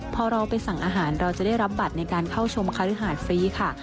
พอเราไปสั่งอาหารเราจะได้รับบัตรในการเข้าชมคฤหาดฟรีค่ะ